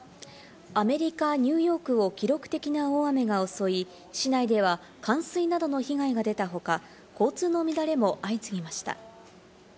アメリカ・ニューヨークを記録的な大雨が襲い、市内では冠水などの被害が出た他、交通の乱れも相次ぎました。